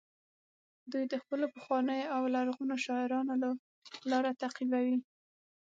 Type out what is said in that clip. دوی د خپلو پخوانیو او لرغونو شاعرانو لاره تعقیبوي